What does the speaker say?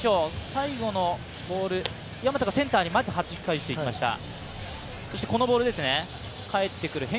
最後のボール、大和がセンターにまずはじき返していきました。